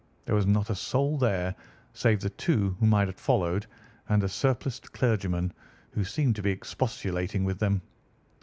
There was not a soul there save the two whom I had followed and a surpliced clergyman, who seemed to be expostulating with them.